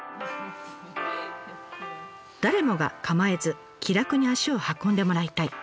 「誰もが構えず気楽に足を運んでもらいたい」。